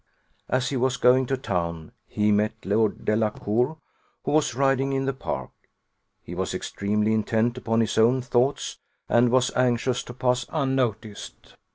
As he was going to town, he met Lord Delacour, who was riding in the park: he was extremely intent upon his own thoughts, and was anxious to pass unnoticed.